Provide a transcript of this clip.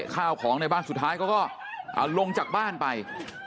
ข้าวของในบ้านสุดท้ายเขาก็เอาลงจากบ้านไป